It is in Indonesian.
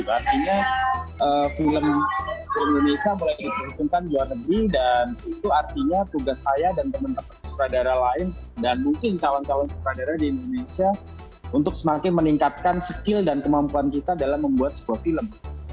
artinya film indonesia mulai diperhitungkan di luar negeri dan itu artinya tugas saya dan teman teman sutradara lain dan mungkin calon calon sutradara di indonesia untuk semakin meningkatkan skill dan kemampuan kita dalam membuat sebuah film